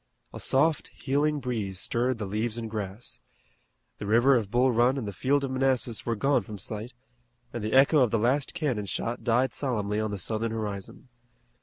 A soft healing breeze stirred the leaves and grass. The river of Bull Run and the field of Manassas were gone from sight, and the echo of the last cannon shot died solemnly on the Southern horizon.